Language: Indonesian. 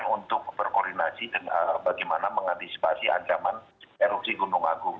untuk berkoordinasi bagaimana mengantisipasi ancaman erupsi gunung agung